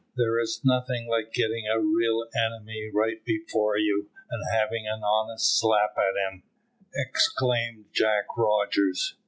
"There's nothing like getting a real enemy right before you, and having an honest slap at him," exclaimed Jack Rogers.